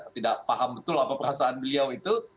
tidak paham betul apa perasaan beliau itu